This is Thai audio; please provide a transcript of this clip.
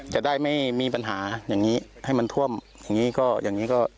จะได้ไม่มีปัญหาอย่างนี้ให้มันท่วมอย่างนี้ก็อย่างนี้ก็